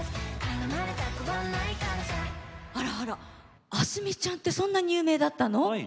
あらあらａｓｍｉちゃんってそんなに有名だったの。